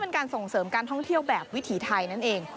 เป็นการส่งเสริมการท่องเที่ยวแบบวิถีไทยนั่นเอง